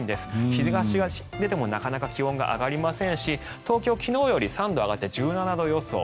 日差しが出てもなかなか気温が上がりませんし東京、昨日より３度上がって１７度予想。